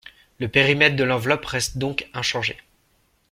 Le périmètre de l’enveloppe reste donc inchangé.